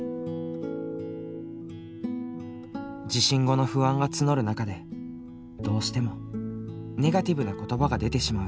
地震後の不安が募る中でどうしてもネガティブな言葉が出てしまう夢さん。